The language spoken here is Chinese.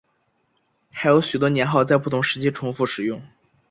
还有许多年号在不同时期重复使用。